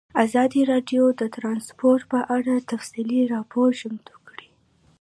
ازادي راډیو د ترانسپورټ په اړه تفصیلي راپور چمتو کړی.